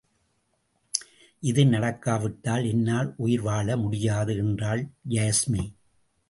இது நடக்காவிட்டால் என்னால் உயிர்வாழ முடியாது என்றாள் யாஸ்மி.